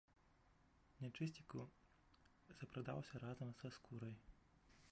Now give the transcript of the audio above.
Нячысціку запрадаўся разам са скурай.